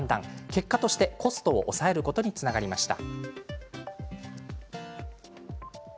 結果としてコストを抑えることにつながりました。